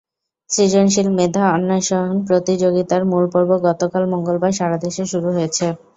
সৃজনশীল মেধা অন্বেষণ প্রতিযোগিতার মূল পর্ব গতকাল মঙ্গলবার সারা দেশে শুরু হয়েছে।